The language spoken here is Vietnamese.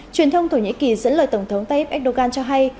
truyền thông thổ nhĩ kỳ dẫn lời tổng thống tayyip erdogan cho hay